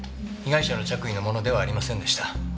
被害者の着衣のものではありませんでした。